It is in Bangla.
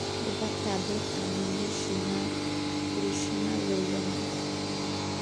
এবার তাদের আনন্দের সীমা পরিসীমা রইলো না।